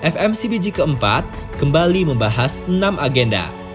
fmcbg keempat kembali membahas enam agenda